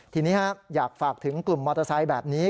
ทีนี้อยากฝากถึงกลุ่มมอเตอร์ไซค์แบบนี้